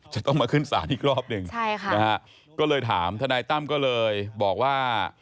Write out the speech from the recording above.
จะต้องมาขึ้นสารอีกรอบหนึ่งก็เลยถามธนายตั้มก็เลยบอกว่า